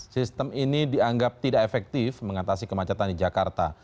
sistem ini dianggap tidak efektif mengatasi kemacetan di jakarta